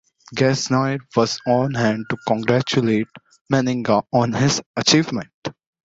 Gasnier was on hand to congratulate Meninga on his achievement.